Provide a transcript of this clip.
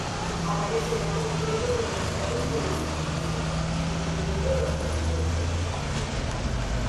Aparece en otros medios relacionados con la franquicia, incluyendo los dos videojuegos.